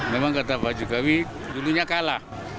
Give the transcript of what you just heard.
memang kata pak jokowi dulunya kalah